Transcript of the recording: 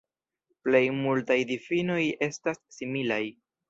Plej multaj difinoj estas similaj.